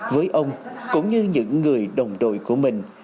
với ông cũng như những người đồng đội của mình